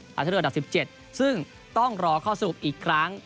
การท่าเรืออันดับสิบเจ็ดซึ่งต้องรอข้อสรุปอีกครั้ง